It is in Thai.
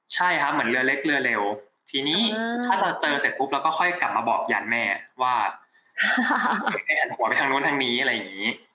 ใช่ครับเหมือนเรือเล็กเรือเร็วทีนี้ถ้าเราเจอเสร็จปุ๊บเราก็ค่อยกลับมาบอกยันแม่ว่าให้หันหัวไปทางนู้นทางนี้อะไรอย่างนี้